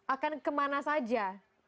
akan kemana saja